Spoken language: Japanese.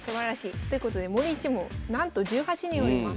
ということで森一門なんと１８人おります。